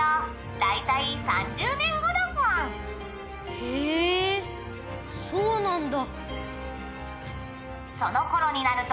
へぇそうなんだ。